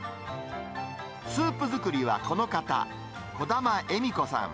スープ作りはこの方、児玉江美子さん。